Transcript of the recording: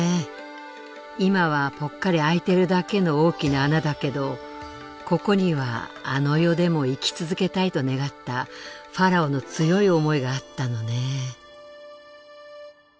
今はぽっかり開いてるだけの大きな穴だけどここにはあの世でも生き続けたいと願ったファラオの強い思いがあったのね。